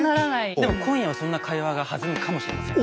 でも今夜はそんな会話が弾むかもしれませんよ。